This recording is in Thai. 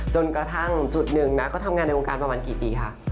จนกระทั่งจุดหนึ่งนะก็ทำงานในวงการประมาณกี่ปีคะ